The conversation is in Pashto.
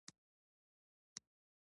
ما ورته ځواب ورکړ: ښه یم، د خدای شکر دی.